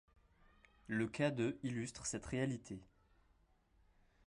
Le cas de illustre cette réalité.